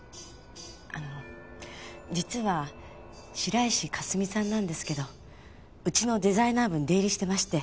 あの実は白石佳澄さんなんですけどうちのデザイナー部に出入りしてまして。